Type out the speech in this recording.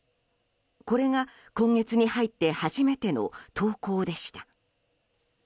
これが今月に入って初めての投稿でした。